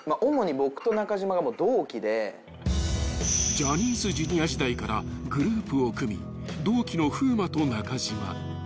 ［ジャニーズＪｒ．時代からグループを組み同期の風磨と中島］